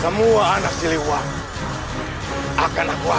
semua anak si liwangi